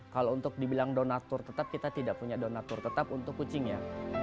kalau untuk dibilang donatur tetap kita tidak punya donatur tetap untuk kucingnya